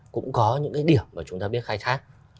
cũng có những cái điểm mà chúng ta biết khai thác